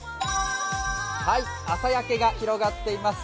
朝焼けが広がっています。